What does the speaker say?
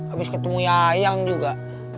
abis ketemu yayang juga